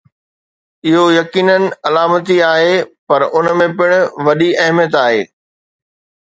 اهو يقيناً علامتي آهي، پر ان ۾ پڻ وڏي اهميت آهي.